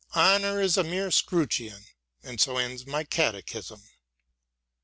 Honour is a mere scutcheon : and so ends my catechism.